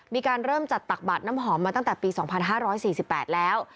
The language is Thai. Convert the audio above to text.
มีการเริ่มจัดตักบาดน้ำหอมมาตั้งแต่ปี๒๕๔๘แล้ว